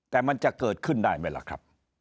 แต่มันจะเกิดขึ้นได้ไหมล่ะครับ